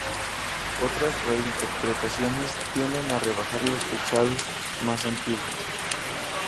Otras reinterpretaciones tienden a rebajar los fechados más antiguos.